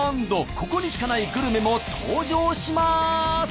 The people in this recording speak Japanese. ここにしかないグルメも登場します。